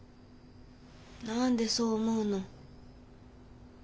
何でそう思うの？